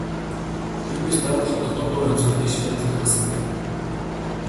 Тиймээс байгууллагын дотоод уур амьсгал тэгш байдлыг хангасан байдаг.